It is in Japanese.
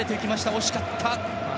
惜しかった。